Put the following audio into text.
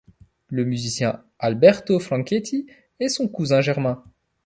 Le musicien Alberto Franchetti est son cousin germain.